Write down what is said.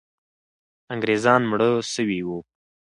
انګریزان مړه سوي وو.